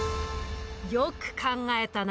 よく考えたな。